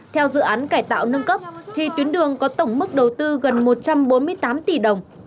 theo dự án cải tạo nâng cấp thì tuyến đường có tổng mức đầu tư gần một trăm bốn mươi tám tỷ đồng